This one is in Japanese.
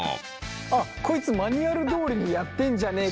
あっこいつマニュアルどおりにやってんじゃねえかな？